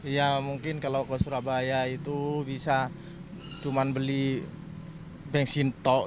ya mungkin kalau ke surabaya itu bisa cuma beli bensin tok